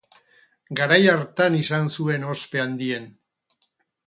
Garai hartan izan zuen ospe handien.